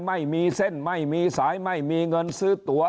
ไม่มีเส้นไม่มีสายไม่มีเงินซื้อตัว